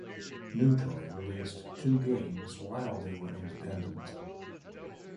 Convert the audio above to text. Newtoy released two games while they were independent.